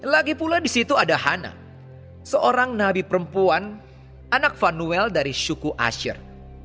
lagi pula di situ ada hana seorang nabi perempuan anak vanuel dari suku asyir